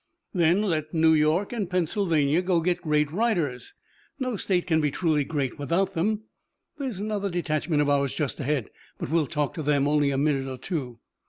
"Then let New York and Pennsylvania go get great writers. No state can be truly great without them. There's another detachment of ours just ahead, but we'll talk to them only a minute or two."